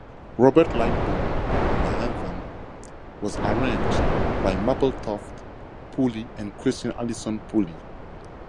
Robert Lightbourne, and the anthem was arranged by Mapletoft Poulle and Christine Alison Poulle.